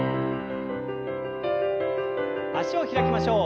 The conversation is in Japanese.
脚を開きましょう。